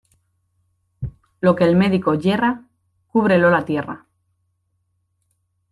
Lo que el médico yerra, cúbrelo la tierra.